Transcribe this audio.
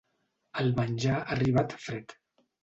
El menjar ha arribat fred.